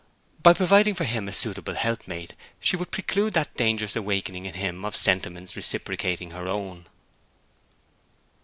By providing for him a suitable helpmate she would preclude the dangerous awakening in him of sentiments reciprocating her own.